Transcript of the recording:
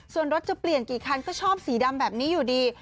ส่วนรถจะเปลี่ยนกี่คันก็ชอบสีดำแบบนี้อยู่ดี